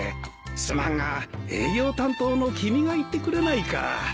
すまんが営業担当の君が行ってくれないか？